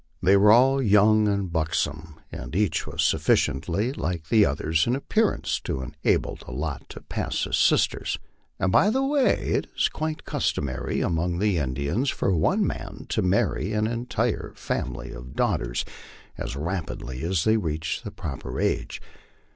They were all young and bux om, and each was sufficiently like the others in appearance to have enabled the lot to pass as sisters ; and, by the way, it is quite customary among the Indians for one man to marry an entire family of daughters as rapidly as they reach the proper age.